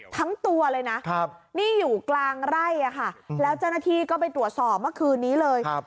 ทั้งตัวเลยนะนี่อยู่กลางไร่อะค่ะแล้วเจ้าหน้าที่ก็ไปตรวจสอบเมื่อคืนนี้เลย